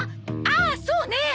ああそうねえ。